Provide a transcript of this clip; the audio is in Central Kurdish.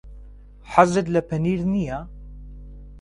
حەزت لە پەنیر نییە.